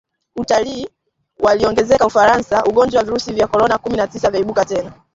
Utalii waongezeka Ufaransa ugonjwa wa virusi vya korona kumi na tisa vyaibuka tena.